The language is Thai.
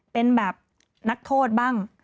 เป็นแบบนักโทษบ้าง